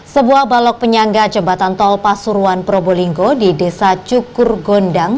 sebuah balok penyangga jembatan tol pasuruan probolinggo di desa cukur gondang